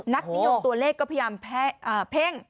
นักนิยมตัวเลขก็พยายามเพ่ง